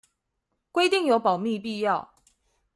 規定有保密必要